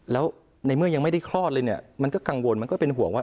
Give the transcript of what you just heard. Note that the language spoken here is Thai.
แล้วในเมื่อยังไม่ได้คลอดเลยเนี่ยมันก็กังวลมันก็เป็นห่วงว่า